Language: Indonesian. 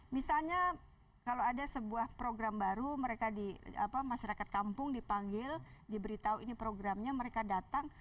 misalnya kalau ada sebuah program baru masyarakat kampung dipanggil diberitahu ini programnya mereka datang